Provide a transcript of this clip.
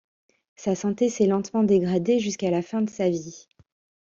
Sa santé s'est lentement dégradée jusqu'à la fin de sa vie.